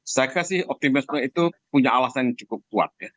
saya kasi optimisme itu punya alasan yang cukup kuat